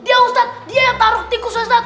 dia ustadz dia yang taruh tikusnya satu